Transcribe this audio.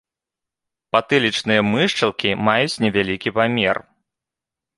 Патылічныя мышчалкі маюць невялікі памер.